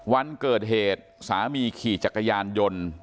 วันเกิดเหตุสามีขี่จักรยานยนต์